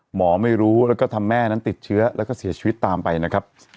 หมอไม่รู้แล้วก็ทำแม่นั้นติดเชื้อแล้วก็เสียชีวิตตามไปนะครับ